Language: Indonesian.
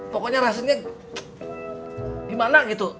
pokoknya rasanya gimana gitu